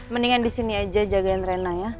mendingan di sini aja jagain tren nya ya